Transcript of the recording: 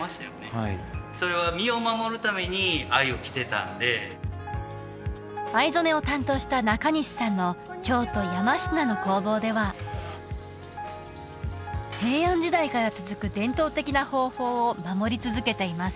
はいそれは身を守るために藍を着てたんで藍染めを担当した中西さんの京都山科の工房では平安時代から続く伝統的な方法を守り続けています